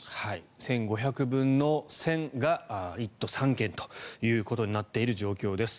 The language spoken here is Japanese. １５００分の１０００が１都３県ということになっている状況です。